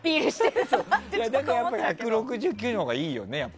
だから１６９のほうがいいよね。